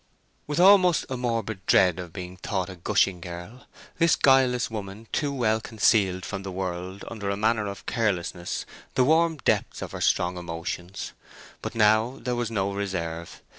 With almost a morbid dread of being thought a gushing girl, this guileless woman too well concealed from the world under a manner of carelessness the warm depths of her strong emotions. But now there was no reserve.